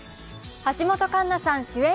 橋本環奈さん主演